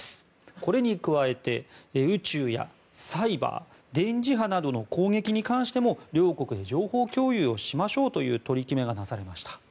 これに加えて宇宙やサイバー、電磁波などの攻撃に関しても両国で情報共有をしましょうという取り決めがなされました。